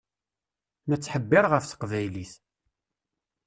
Nettḥebbiṛ ɣef teqbaylit.